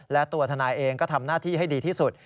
และตัวทนายเองก็ทำหน้าที่ให้ดีที่สุด